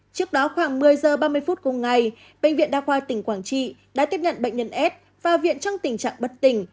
trước đó khoảng một mươi giờ ba mươi phút cùng ngày bệnh viện đa khoa tỉnh quảng trị đã tiếp nhận bệnh nhân s vào viện trong tình trạng bất tỉnh